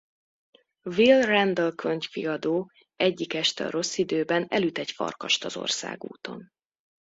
Will Randall könyvkiadó egyik este a rossz időben elüt egy farkast az országúton.